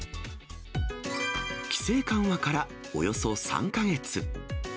規制緩和からおよそ３か月。